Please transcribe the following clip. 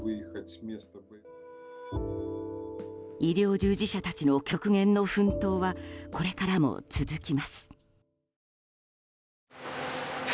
医療従事者たちの極限の奮闘はこれからも続きます。